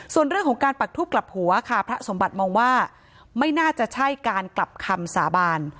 ส่วนเรื่องของการปักทูบกลับหัวค่ะพระสมบัติมองว่าไม่น่าจะใช่การกลับคำสาบาน